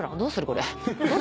これ。